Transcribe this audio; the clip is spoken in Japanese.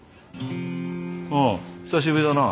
おう久しぶりだな。